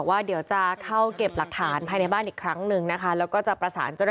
ก็อยู่ด้วยกันนั่นแหละครับไปในบ้านไหนด้วยกันนั่นแหละครับ